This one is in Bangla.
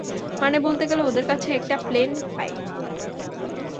মানে বলতে গেলে ওদের কাছে একটা প্লেন পাই।